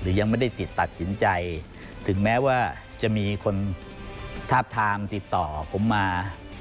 หรือยังไม่ได้ติดตัดสินใจถึงแม้ว่าจะมีคนทาบทามติดต่อผมมา